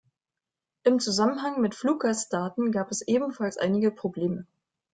Im Zusammenhang mit Fluggastdaten gab es ebenfalls einige Probleme.